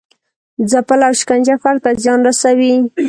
ځپل او شکنجه فرد ته زیان رسوي.